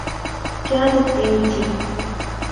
کیا تقریر تھی۔